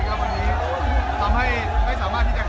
ส่วนใหญ่เลยครับ